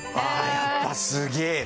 やっぱすげえな！